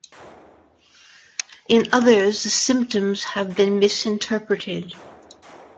In others, the symptoms have been misinterpreted.